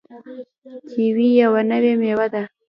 کیوي یوه نوې میوه ده.